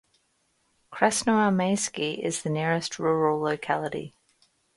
Krasnoarmeysky is the nearest rural locality.